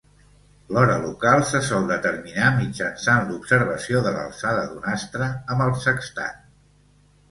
L'hora local se sol determinar mitjançant l'observació de l'alçada d'un astre amb el sextant.